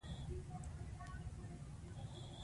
اداري روڼتیا فساد کموي